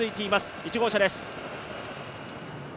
１号車です。